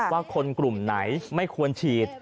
ว่าคนกลุ่มไหนไม่ควรฉีด